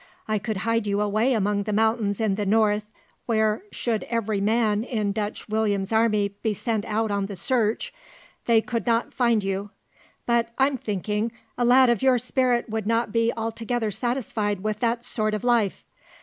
I could hide you away among the mountains in the north, where, should every man in Dutch William's army be sent out on the search, they could not find you; but, I'm thinking, a lad of your spirit would not be altogether satisfied with that sort of life.